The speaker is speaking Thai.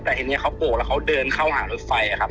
แต่ทีนี้เขาโกะแล้วเขาเดินเข้าหารถไฟครับ